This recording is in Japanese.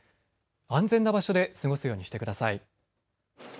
安全な場所で過ごすようにしてください。